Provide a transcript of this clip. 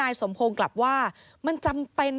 ที่มันก็มีเรื่องที่ดิน